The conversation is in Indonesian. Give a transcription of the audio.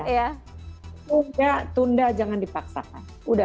tunda tunda jangan dipaksakan